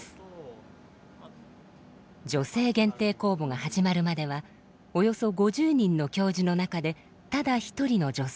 女性限定公募が始まるまではおよそ５０人の教授の中でただ一人の女性。